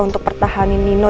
untuk pertahanin nino